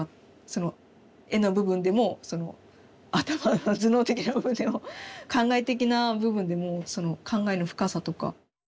その絵の部分でもその頭の頭脳的な部分でも考え的な部分でもその考えの深さとか。